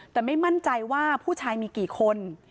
แต่ไม่มั่นใจว่าผู้ชายมีกี่คน